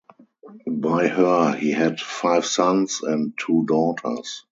By her he had five sons and two daughters.